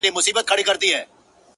پرېږدی چي موږ هم څو شېبې ووینو!!